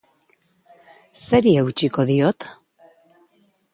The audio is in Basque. Zeri eutsiko diot?